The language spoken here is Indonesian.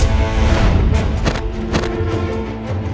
hukum mati orang ini